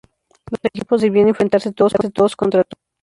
Los equipos debían enfrentarse todos contra todos.